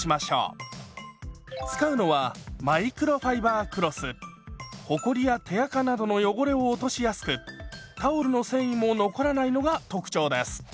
使うのはほこりや手あかなどの汚れを落としやすくタオルの繊維も残らないのが特徴です。